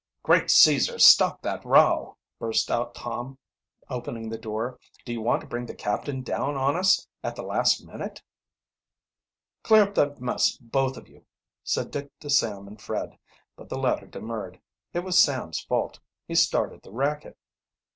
"Great Caesar, stop that row!" burst out Torn, opening the door. "Do you want to bring the captain down on us at the last minute?" "Clear up that muss, both of you," said Dick to Sam and Fred. But the latter demurred. It was Sam's fault he started the racket.